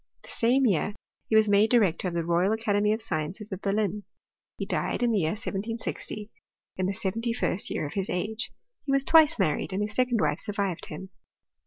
The same year he wag made director of the Royal Academy of Sciences of Berlin. He died in the year 1760, in the seventy firet year of his age. He was twice mamed, and his secon4 wife survived him.